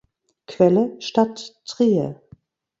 Quelle: Stadt Trier